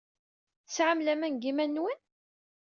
Tesɛam laman deg yiman-nwen?